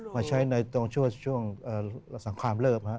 มาใช้ในช่วงสังคามเริบ